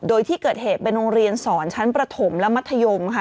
โดยที่เกิดเหตุเป็นโรงเรียนสอนชั้นประถมและมัธยมค่ะ